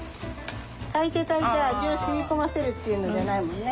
炊いて炊いて味を染み込ませるっていうのじゃないもんね。